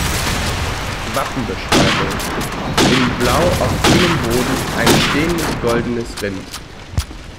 Wappenbeschreibung: "„In Blau auf grünem Boden ein stehendes goldenes Rind“"